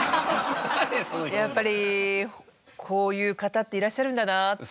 やっぱりこういう方っていらっしゃるんだなって。